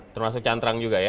termasuk cantrang juga ya